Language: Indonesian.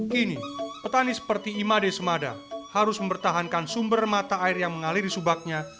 kini petani seperti imade semada harus mempertahankan sumber mata air yang mengaliri subaknya